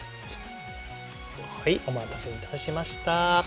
はいお待たせいたしました。